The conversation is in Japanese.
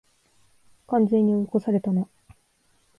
完全に追い越されたな